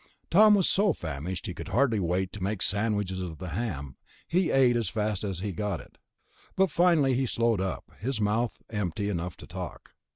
Tom was so famished he could hardly wait to make sandwiches of the ham. He ate it as fast as he got it. But finally he slowed up, got his mouth empty enough to talk.